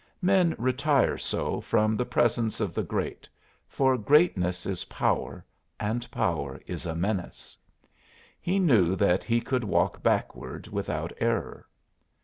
Men retire so from the presence of the great, for greatness is power and power is a menace. He knew that he could walk backward without error.